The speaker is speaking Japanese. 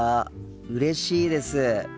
うれしいです！